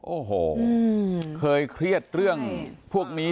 โอ้โหเคยเครียดเรื่องพวกนี้